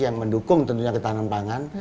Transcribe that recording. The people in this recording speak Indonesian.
yang mendukung tentunya ketahanan pangan